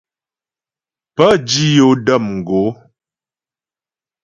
Pə́ dǐ yo də̌m gǒ.